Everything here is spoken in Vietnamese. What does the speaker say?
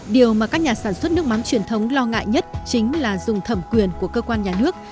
điều mà các nhà sản xuất nước mắm truyền thống lo ngại nhất chính là dùng thẩm quyền của cơ quan nhà nước